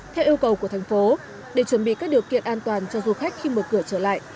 theo yêu cầu của thành phố để chuẩn bị các điều kiện an toàn cho du khách khi mở cửa trở lại